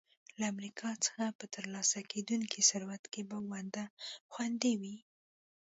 له امریکا څخه په ترلاسه کېدونکي ثروت کې به ونډه خوندي وي.